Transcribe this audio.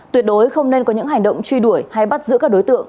tuyệt đối không nên có những hành động truy đuổi hay bắt giữ các đối tượng